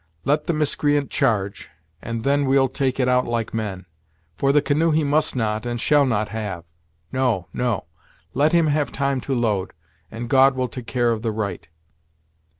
Let the miscreant charge, and then we'll take it out like men; for the canoe he must not, and shall not have. No, no; let him have time to load, and God will take care of the right!"